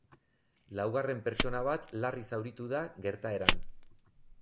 Laugarren pertsona bat larri zauritu da gertaeran.